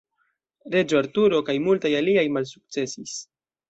Reĝo Arturo kaj multaj aliaj malsukcesis.